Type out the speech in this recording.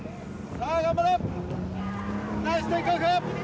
さあ頑張れ！